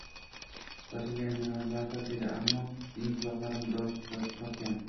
Rasul yana nimalardir dedi, ammo mening quloqlarim dong qotgan